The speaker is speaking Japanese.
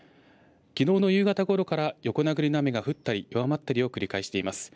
きのうの夕方ごろから、横殴りの雨が降ったり、弱まったりを繰り返しています。